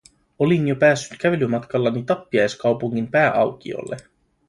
Olin jo päässyt kävelymatkallani tappiaiskaupungin pääaukiolle.